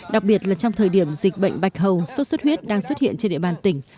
đặc biệt là trong thời điểm dịch bệnh bạch hầu sốt xuất huyết đang xuất hiện trên địa bàn tỉnh